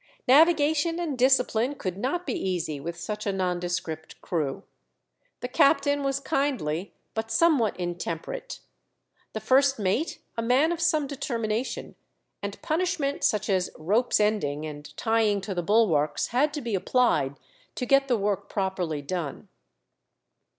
Navigation and discipline could not be easy with such a nondescript crew. The captain was kindly but somewhat intemperate, the first mate a man of some determination, and punishment such as rope's ending and tying to the bulwarks had to be applied to get the work properly done.